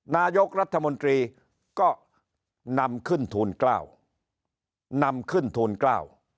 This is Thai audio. นายกรัฐมนตรีก็นำขึ้นทูลเกล้านำขึ้นทูลเกล้า